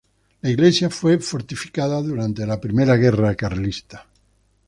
La iglesia fue fortificada durante la Primera Guerra Carlista.